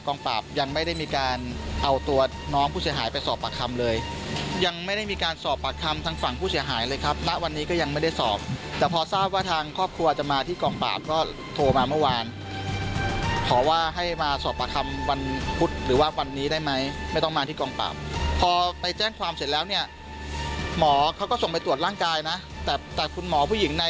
ยังไม่ได้มีการเอาตัวน้องผู้เสียหายไปสอบปากคำเลยยังไม่ได้มีการสอบปากคำทางฝั่งผู้เสียหายเลยครับณวันนี้ก็ยังไม่ได้สอบแต่พอทราบว่าทางครอบครัวจะมาที่กองปราบก็โทรมาเมื่อวานขอว่าให้มาสอบปากคำวันพุธหรือว่าวันนี้ได้ไหมไม่ต้องมาที่กองปราบพอไปแจ้งความเสร็จแล้วเนี่ยหมอเขาก็ส่งไปตรวจร่างกายนะแต่แต่คุณหมอผู้หญิงใน